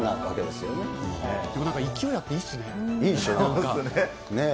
でもなんか勢いあっていいでいいでしょう。